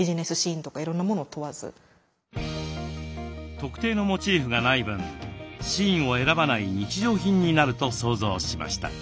特定のモチーフがない分シーンを選ばない日常品になると想像しました。